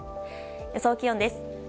予想気温です。